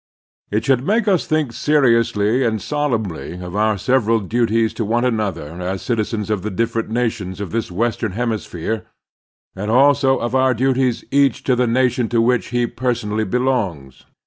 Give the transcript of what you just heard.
It should make us think seriously and solemnly of our several duties to one another as citizens of the different nations of this western hemisphere, and also of our duties each to the nation to which he personally belongs.